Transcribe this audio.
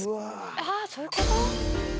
あそういうこと！